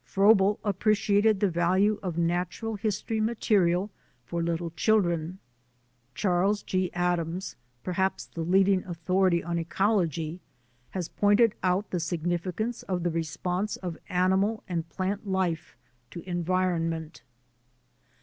Froebel appreciated the value of natural history material for little children. Charles G. Adams, perhaps the leading author ity on ecology, has pointed out the significance of the response of animal and plant life to environ ment.